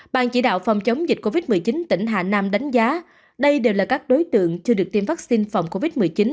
ban chỉ đạo phòng chống dịch covid một mươi chín tỉnh hà nam đánh giá đây đều là các đối tượng chưa được tiêm vaccine phòng covid một mươi chín